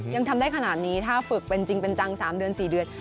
ยังทำได้ขนาดนี้ถ้าฝึกเป็นจริงเป็นจัง๓เดือน๔เดือน